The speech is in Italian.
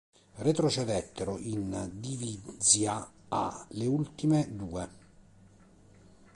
Retrocedettero in Divizia A le ultime due.